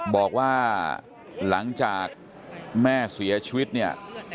บอกว่าหลังจากแม่เสียชีวิตเนี่ย